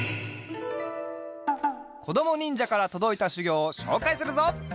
こどもにんじゃからとどいたしゅぎょうをしょうかいするぞ！